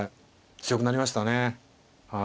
強くなりましたねはい。